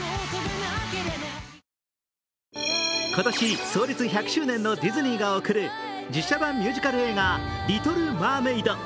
今年創立１００周年のディズニーが送る、実写版ミュージカル映画「リトル・マーメイド」。